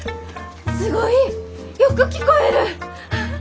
すごい！よく聞こえる！